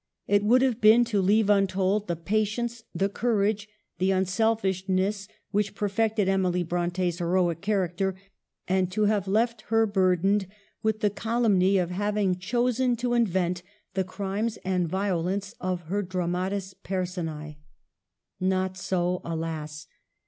It would have been to leave untold the patience, the courage, the unselfishness, which perfected Emily Bronte's heroic character, and to have left her burdened with the calumny of having chosen to invent the crimes and violence of her dramatis personce. Not so, alas